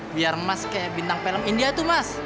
biar mas kayak bintang film india tuh mas